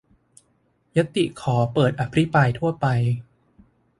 ญัตติขอเปิดอภิปรายทั่วไป